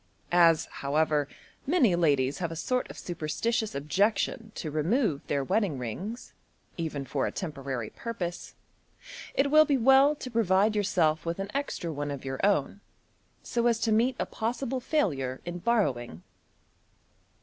As, however, many ladies have a sort of superstitious objection to remove their wedding rings, even for a temporary purpose, it will be well to provide yourself with an extra one of your own, so as to meet a possible failure in borrowing.